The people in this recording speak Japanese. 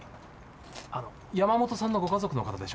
あの山本さんのご家族の方でしょうか？